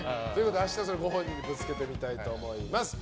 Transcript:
明日、ご本人にぶつけてみたいと思います。